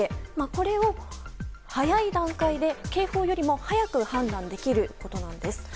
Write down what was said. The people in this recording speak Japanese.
これを早い段階で警報よりも早く判断できることなんです。